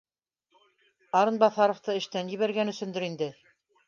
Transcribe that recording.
Арынбаҫаровты эштән ебәргән өсөндөр инде